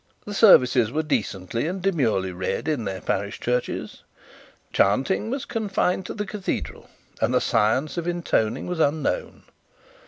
The services were decently and demurely read in their parish churches, chanting was confined to the cathedral, and the science of intoning was unknown.